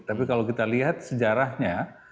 tapi kalau kita lihat sejarahnya